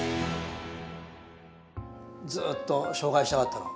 ずっと紹介したかったの？